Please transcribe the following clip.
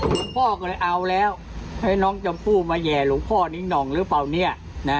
หลวงพ่อก็เลยเอาแล้วให้น้องชมพู่มาแห่หลวงพ่อนิ้งหน่องหรือเปล่าเนี่ย